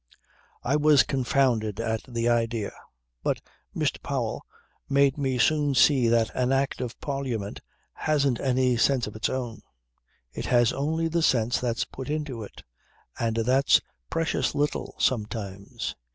"I was confounded at the idea, but Mr. Powell made me soon see that an Act of Parliament hasn't any sense of its own. It has only the sense that's put into it; and that's precious little sometimes.